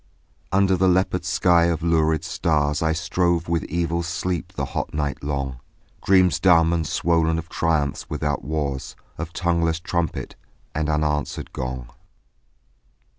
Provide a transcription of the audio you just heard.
Under the leopard sky of lurid stars I strove with evil sleep the hot night long, Dreams dumb and swollen of triumphs without wars, Of tongueless trumpet and unanswering gong.